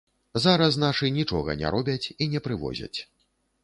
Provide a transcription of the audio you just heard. Зараз нашы нічога не робяць і не прывозяць.